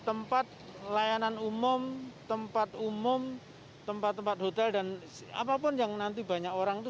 tempat layanan umum tempat umum tempat tempat hotel dan apapun yang nanti banyak orang itu